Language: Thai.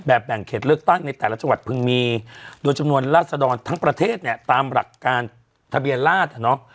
แบ่งเขตเลือกตั้งในแต่ละจังหวัดเพิ่งมีโดยจำนวนราศดรทั้งประเทศเนี่ยตามหลักการทะเบียนราชอ่ะเนาะ